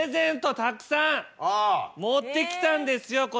たくさん持ってきたんですよこちら！